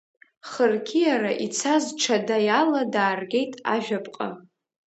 Хырқьиара ицаз ҽада иала дааргеит ажәаԥҟа…